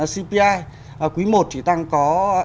cpi quý một chỉ tăng có